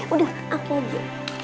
udah aku aja